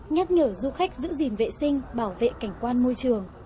nhắc nhở du khách giữ gìn vệ sinh bảo vệ cảnh quan môi trường